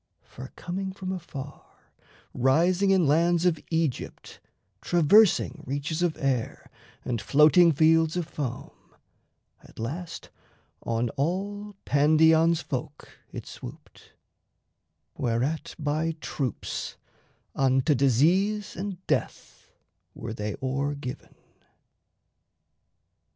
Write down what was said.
For coming from afar, Rising in lands of Aegypt, traversing Reaches of air and floating fields of foam, At last on all Pandion's folk it swooped; Whereat by troops unto disease and death Were they o'er given.